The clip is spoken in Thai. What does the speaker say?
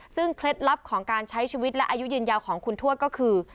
ซึ่งเคล็ดลับของการใช้ชีวิตและอายุยืนยาวของคุณทวดก็คือ